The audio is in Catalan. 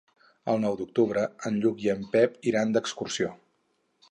El nou d'octubre en Lluc i en Pep iran d'excursió.